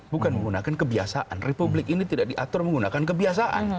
bukan menggunakan kebiasaan republik ini tidak diatur menggunakan kebiasaan